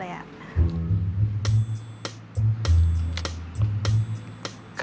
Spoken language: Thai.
แม่งแม่งแม่งแม่ง